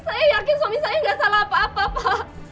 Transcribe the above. saya yakin suami saya nggak salah apa apa pak